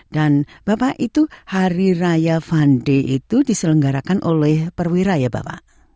dan bapak itu hari raya fande itu diselenggarakan oleh perwira ya bapak